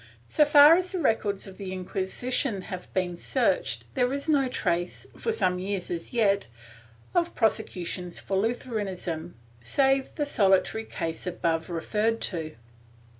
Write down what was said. So far as the records of the Inquisition have been searched there is no trace, for some years as yet, of prosecutions for Lutheranism, save the solitary case above referred to.